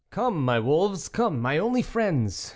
" Come, wolves ! come, my only friends